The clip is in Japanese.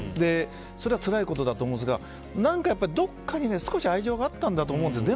それはつらいことだと思いますが何かやっぱり、どこかに少し愛情があったんだと思うんですよ。